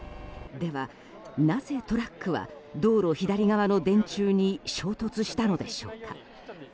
では、なぜトラックは道路左側の電柱に衝突したのでしょうか。